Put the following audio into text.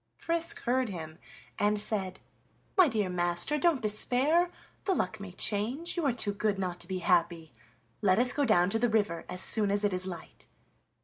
Frisk heard him and said: "My dear master, don't despair; the luck may change, you are too good not to be happy. Let us go down to the river as soon as it is light."